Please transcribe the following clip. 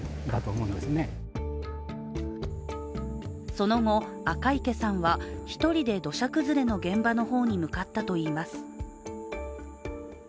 その後、赤池さんは一人で土砂崩れの現場の方に向かったといいます。